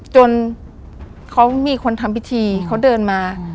จนเขามีคนทำพิธีเขาเดินมา